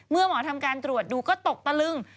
เมื่อหมอทำการตรวจดูก็ตกตะลึง